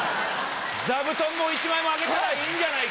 座布団も１枚あげたらいいんじゃないか？